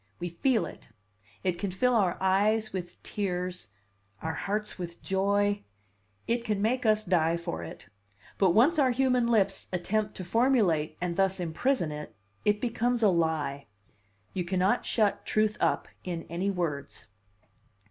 We feel it; it can fill our eyes with tears, our hearts with joy, it can make us die for it; but once our human lips attempt to formulate and thus imprison it, it becomes a lie. You cannot shut truth up in any words."